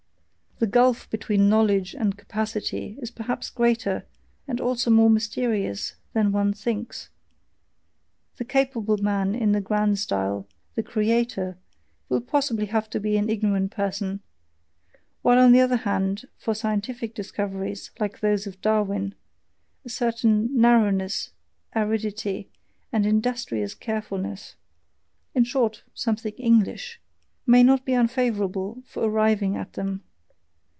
The gulf between knowledge and capacity is perhaps greater, and also more mysterious, than one thinks: the capable man in the grand style, the creator, will possibly have to be an ignorant person; while on the other hand, for scientific discoveries like those of Darwin, a certain narrowness, aridity, and industrious carefulness (in short, something English) may not be unfavourable for arriving at them.